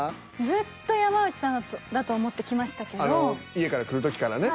ずっと山内さんだと思ってきましたけど。